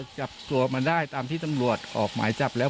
จับตัวมาได้ตามที่ตำรวจออกหมายจับแล้ว